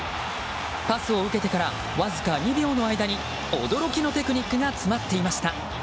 パスを受けてからわずか２秒の間に驚きのテクニックが詰まっていました。